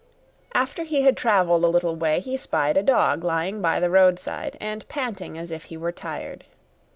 After he had travelled a little way, he spied a dog lying by the roadside and panting as if he were tired.